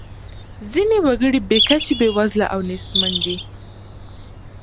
ځینې وګړي بې کچې بیوزله او نیستمن دي.